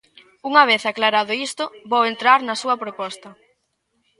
Unha vez aclarado isto, vou entrar na súa proposta.